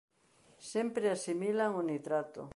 Sempre asimilan o nitrato.